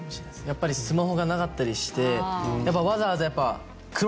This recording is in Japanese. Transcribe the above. やっぱりスマホがなかったりしてわざわざやっぱ。